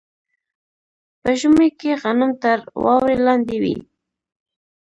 په ژمي کې غنم تر واورې لاندې وي.